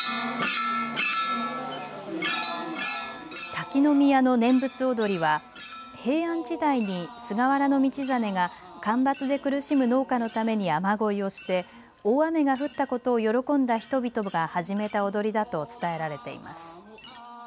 滝宮の念仏踊は平安時代に菅原道真が干ばつで苦しむ農家のために雨乞いをして大雨が降ったことを喜んだ人々が始めた踊りだと伝えられています。